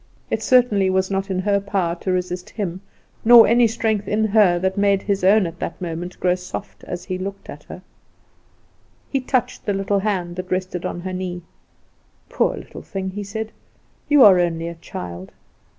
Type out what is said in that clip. It certainly was not in her power to resist him, nor any strength in her that made his own at that moment grow soft as he looked at her. He touched one little hand that rested on her knee. "Poor little thing!" he said; "you are only a child."